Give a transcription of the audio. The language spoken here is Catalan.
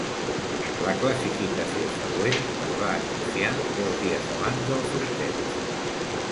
La classificació següent es va anunciar deu dies abans del sorteig.